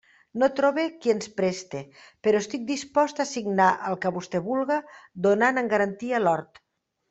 No trobe qui ens preste; però estic dispost a signar el que vostè vulga, donant en garantia l'hort.